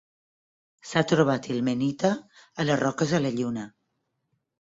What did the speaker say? S'ha trobat ilmenita a les roques de la Lluna.